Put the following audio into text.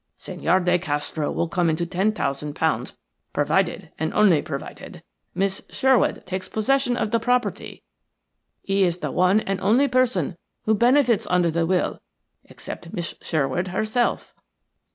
Senhor de Castro will come into ten thousand pounds provided, and only provided, Miss Sherwood takes possession of the property. He is the one and only person who benefits under the will, except Miss Sherwood herself."